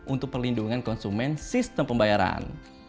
untuk perlindungan konsumen sistem pembayaran